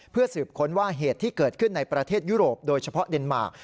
เพื่อสืบค้นว่าเหตุที่เกิดขึ้นในประเทศยุโรปโดยเฉพาะเดนมาร์ก